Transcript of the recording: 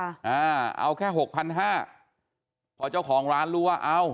อ่าเอาแค่หกพันห้าพอเจ้าของร้านรู้ว่าเอา